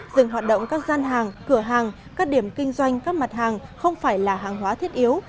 dừng hoạt động các gian hàng cửa hàng các điểm kinh doanh các mặt hàng không phải là hàng hóa thiết yếu